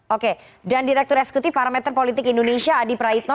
oke dan direktur esekutif parameter politik indonesia adi praitno